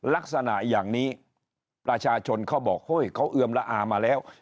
ลักษณะอย่างนี้ประชาชนเขาบอกเฮ้ยเขาเอือมละอามาแล้ว